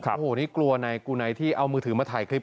โอ้โหนี่กูนัยที่เอามือถือมาถ่ายคลิป